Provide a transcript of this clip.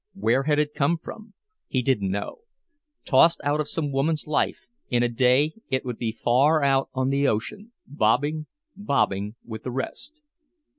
Where had it come from? He didn't know. Tossed out of some woman's life, in a day it would be far out on the ocean, bobbing, bobbing with the rest.